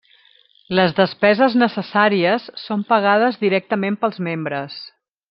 Les despeses necessàries són pagades directament pels membres.